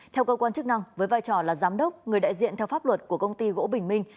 theo cơ quan chức năng với vai trò là giám đốc người đại diện theo pháp luật của công ty gỗ bình minh